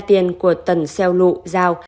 tiền của tần xeo lụ giao